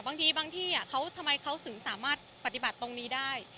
บางทีเขาถึงสามารถปฏิบัติตรงนี้ได้